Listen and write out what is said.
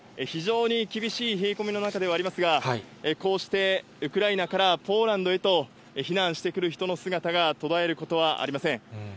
非常に厳しい冷え込みの中ではありますが、こうしてウクライナからポーランドへと避難してくる人の姿が途絶えることはありません。